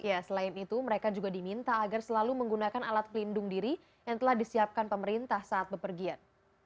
ya selain itu mereka juga diminta agar selalu menggunakan alat pelindung diri yang telah disiapkan pemerintah saat bepergian